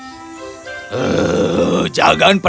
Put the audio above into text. terima kasih juga however pak